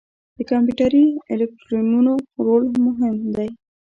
د کمپیوټري الګوریتمونو رول هم مهم دی.